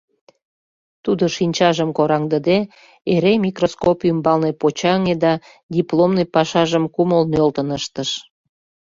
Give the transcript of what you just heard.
Тудо, шинчажым кораҥдыде, эре микроскоп ӱмбалне почаҥе да дипломный пашажым кумыл нӧлтын ыштыш.